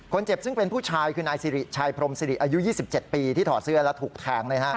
เจ็บซึ่งเป็นผู้ชายคือนายสิริชัยพรมสิริอายุ๒๗ปีที่ถอดเสื้อแล้วถูกแทง